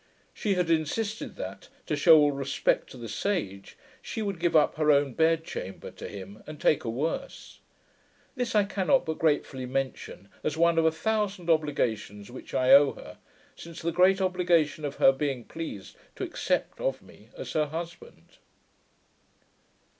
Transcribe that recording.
She had insisted, that to shew all respect to the Sage, she would give up her own bed chamber to him, and take a worse. This I cannot but gratefully mention, as one of a thousand obligations which I owe her, since the great obligation of her being pleased to accept of me as her husband.